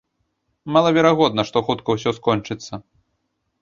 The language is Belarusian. Малаверагодна, што хутка ўсё скончыцца.